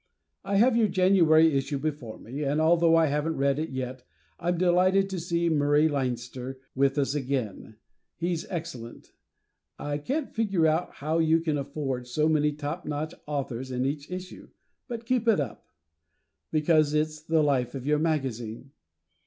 I have your January issue before me, and although I haven't read it yet, I'm delighted to see Murray Leinster with us again. He's excellent. I can't figure out how you can afford so many top notch authors in each issue, but keep it up, because it's the life of your magazine.